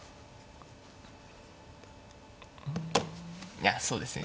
いやそうですね